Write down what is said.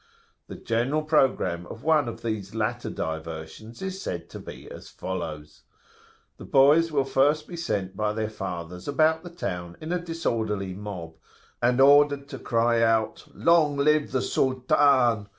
The general programme of one of these latter diversions is said to be as follows. The boys will first be sent by their fathers about the town in a disorderly mob, and ordered to cry out "Long live the Sultan!"